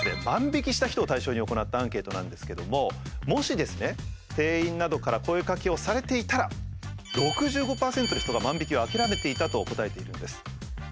万引きした人を対象に行ったアンケートなんですけどももし店員などから声かけをされていたら６５％の人が万引きを諦めていたと答えているんです。